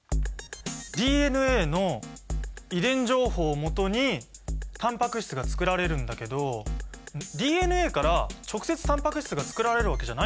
ＤＮＡの遺伝情報をもとにタンパク質がつくられるんだけどＤＮＡから直接タンパク質がつくられるわけじゃないんだよね。